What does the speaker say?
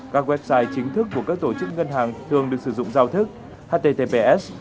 các website chính thức của các tổ chức ngân hàng thường được sử dụng giao thức https